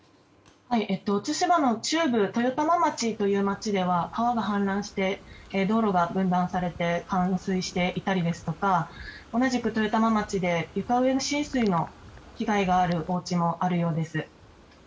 対馬の中部豊玉町という町では川が氾濫して道路が冠水していたりですとか同じく豊玉町で床上浸水の被害があるおうちもあるようです。